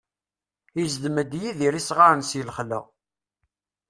Izdem-d Yidir isɣaren si lexla.